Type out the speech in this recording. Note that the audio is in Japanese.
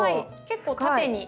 結構縦に。